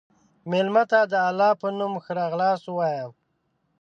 مېلمه ته د الله په نوم ښه راغلاست ووایه.